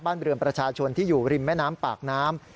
บริเวณประชาชนที่อยู่ริมแม่น้ำปากน้ำ